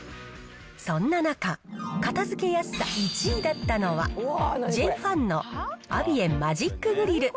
そんな中、片づけやすさ１位だったのは、ジェイファンのアビエン・マジックグリル。